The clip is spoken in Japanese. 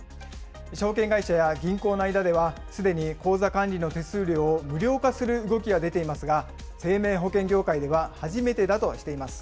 証券会社や銀行の間では、すでに口座管理の手数料を無料化する動きが出ていますが、生命保険業界では初めてだとしています。